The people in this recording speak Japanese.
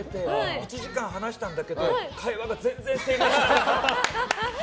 １時間話したんだけど会話が全然成立しない。